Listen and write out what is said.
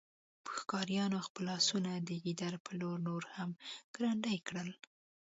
ښکاریانو خپل آسونه د ګیدړ په لور نور هم ګړندي کړل